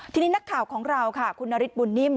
ทีนี้นักข่าวของเราค่ะคุณนฤทธบุญนิ่ม